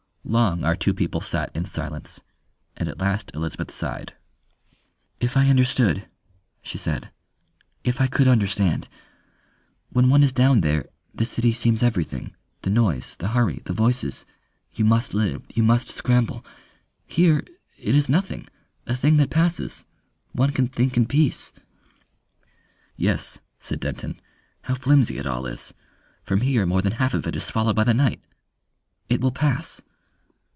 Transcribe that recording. Long our two people sat in silence, and at last Elizabeth sighed. "If I understood," she said, "if I could understand. When one is down there the city seems everything the noise, the hurry, the voices you must live, you must scramble. Here it is nothing; a thing that passes. One can think in peace." "Yes," said Denton. "How flimsy it all is! From here more than half of it is swallowed by the night.... It will pass."